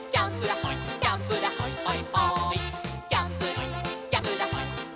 はい。